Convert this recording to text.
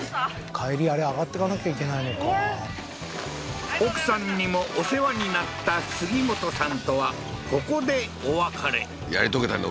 帰りあれ上がってかなきゃいけないのか奥さんにもお世話になった杉本さんとはここでお別れやり遂げたんだ